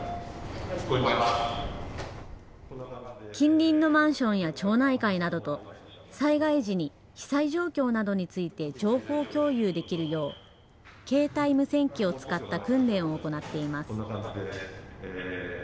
近隣のマンションや町内会などと災害時に被災状況などについて情報共有できるよう携帯無線機を使った訓練を行っています。